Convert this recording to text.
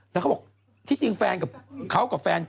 แล้วเขาบอกที่จริงมากับแฟน